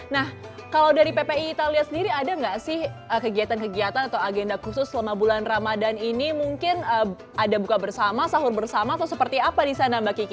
nah kalau dari ppi italia sendiri ada nggak sih kegiatan kegiatan atau agenda khusus selama bulan ramadan ini mungkin ada buka bersama sahur bersama atau seperti apa di sana mbak kiki